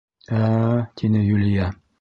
— Ә... — тине Юлия.